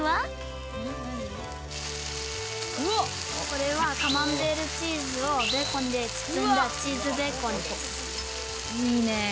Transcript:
これはカマンベールチーズをベーコンで包んだチーズベーコンです。